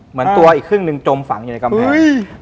เหมือนตัวอีกครึ่งหนึ่งจมฝังอยู่ในกำแพง